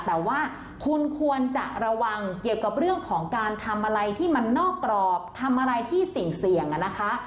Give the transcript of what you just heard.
แต่ว่าคุณควรจะระวังเกี่ยวกับเรื่องของการทำอะไรที่มันนอกกรอบทำอะไรที่เสี่ยงนะคะ